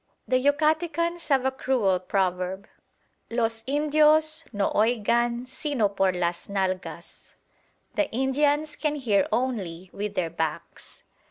The Yucatecans have a cruel proverb, "Los Indios no oigan sino por las nalgas" ("The Indians can hear only with their backs").